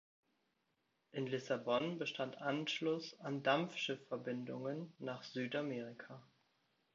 In Lissabon bestand Anschluss an Dampfschiff-Verbindungen nach Südamerika.